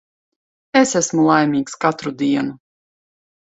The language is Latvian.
Es esmu laimīgs katru dienu.